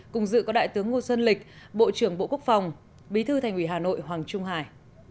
cùng dự có đại tướng ngô xuân lịch bộ trưởng bộ quốc phòng bí thư thành ủy hà nội hoàng trung hải